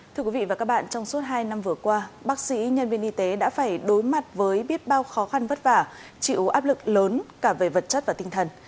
thưa quý vị và các bạn trong suốt hai năm vừa qua bác sĩ nhân viên y tế đã phải đối mặt với biết bao khó khăn vất vả chịu áp lực lớn cả về vật chất và tinh thần